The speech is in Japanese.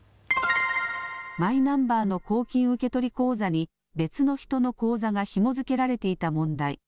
マイナンバーの公金受取口座に別の人の口座がひも付けられていた問題。